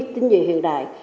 tinh dự hiện đại